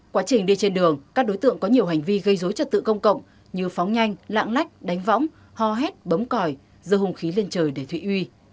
quá trình đi trên đường các đối tượng có nhiều hành vi gây dối trật tự công cộng như phóng nhanh lạng lách đánh võng ho hét bấm còi dơ hung khí lên trời để thụy uy